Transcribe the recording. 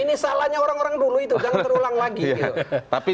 ini salahnya orang orang dulu itu